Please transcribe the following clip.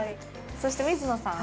そして水野さんは？